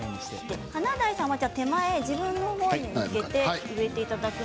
華大さんは手前、自分のほうに向けて植えてください。